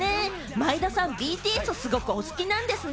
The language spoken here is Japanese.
前田さん、ＢＴＳ、すごくお好きなんですね。